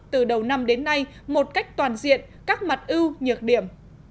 từ đầu năm đến nay một cách toàn diện các mặt ưu nhược điểm